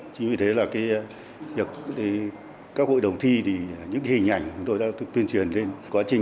chính vì thế là các hội đồng thi thì những hình ảnh chúng tôi đã tuyên truyền lên quá trình